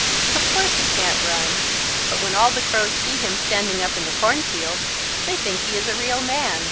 "Of course he can't run. But when all the Crows see him standing up in the cornfield they think he is a real man.